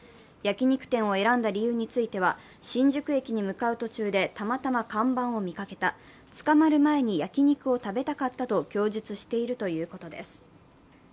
焼き肉店を選んだ理由については、新宿駅に向かう途中でたまたま看板を見かけた、捕まる前に焼き肉を食べたかったと供述しているということです。